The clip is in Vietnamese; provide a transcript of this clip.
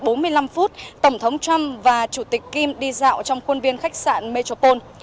trước một mươi năm phút tổng thống trump và chủ tịch kim đi dạo trong khuôn viên khách sạn metropole